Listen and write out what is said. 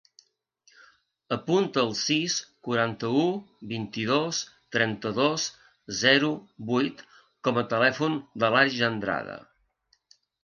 Apunta el sis, quaranta-u, vint-i-dos, trenta-dos, zero, vuit com a telèfon de l'Arij Andrada.